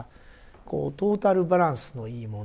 こうトータルバランスのいいもの。